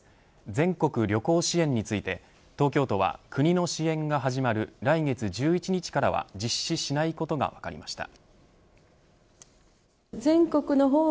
全国旅行支援について東京都は、国の支援が始まる来月１１日からは実施しないことが分かりました。